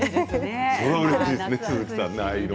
それはうれしいですね。